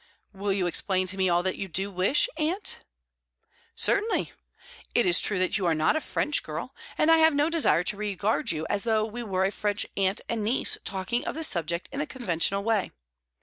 "Will you explain to me all that you do wish, aunt?" "Certainly. It is true that you are not a French girl, and I have no desire to regard you as though we were a French aunt and niece talking of this subject in the conventional way.